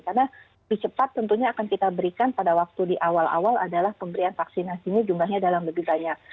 karena di cepat tentunya akan kita berikan pada waktu di awal awal adalah pemberian vaksinasinya jumlahnya dalam lebih banyak